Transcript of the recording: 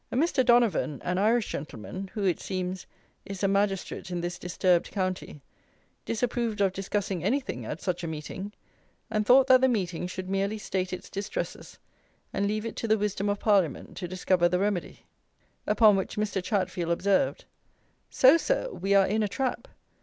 A Mr. DONAVON, an Irish gentleman, who, it seems, is a magistrate in this "disturbed county," disapproved of discussing anything at such a meeting, and thought that the meeting should merely state its distresses, and leave it to the wisdom of Parliament to discover the remedy. Upon which Mr. Chatfield observed: "So, Sir, we are in a trap.